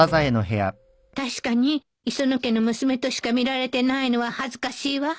確かに磯野家の娘としか見られてないのは恥ずかしいわ